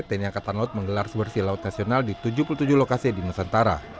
tni angkatan laut menggelar sebersih laut nasional di tujuh puluh tujuh lokasi di nusantara